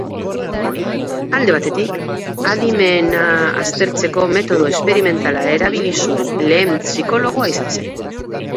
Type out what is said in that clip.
Alde batetik, adimena aztertzeko metodo esperimentala erabili zuen lehen psikologoa izan zen.